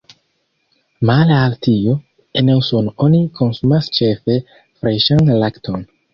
Male al tio, en Usono oni konsumas ĉefe freŝan lakton.